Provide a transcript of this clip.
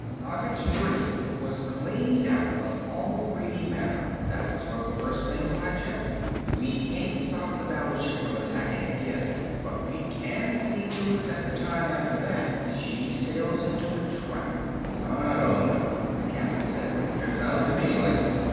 Ogget's Dream was cleaned out of all reading matter, that was one of the first things I checked. We can't stop the battleship from attacking again, but we can see to it that the time after that she sails into a trap." "I don't know," the captain said, "it sounds to me like...."